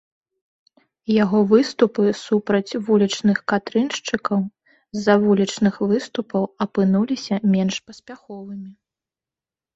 Яго выступы супраць вулічных катрыншчыкаў з-за вулічных выступаў апынуліся менш паспяховымі.